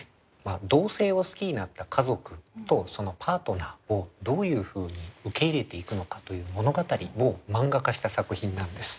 同性を好きになった家族とそのパートナーをどういうふうに受け入れていくのかという物語をマンガ化した作品なんです。